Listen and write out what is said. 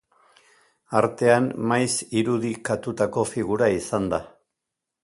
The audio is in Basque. Artean maiz irudikatutako figura izan da.